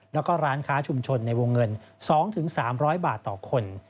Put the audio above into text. แล้วก็ร้านค้าชุมชนในวงเงิน๒๓๐๐บาทต่อคน